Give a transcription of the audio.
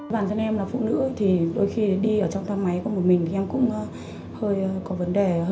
bản thân em là phụ nữ đôi khi đi trong thang máy của mình em cũng hơi có vấn đề